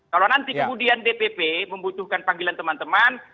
kalau nanti kemudian dpp membutuhkan panggilan teman teman